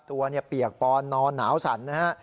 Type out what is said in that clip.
ตัวเปียกปอนนอนหนาวสั่นนะฮะ